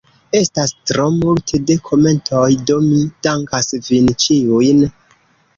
Estas tro multe de komentoj, do mi dankas vin ĉiujn.